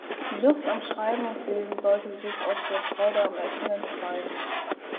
Die Lust am Schreiben und Lesen sollte sich aus der Freude am Erkennen speisen.